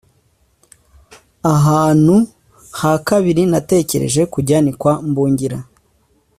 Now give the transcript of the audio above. Ahantu ha kabiri natekereje kujya ni kwa Mbungira